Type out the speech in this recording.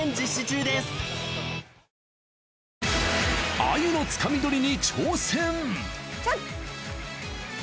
アユのつかみどりに挑戦。